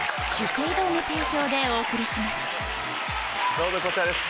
どうぞこちらです。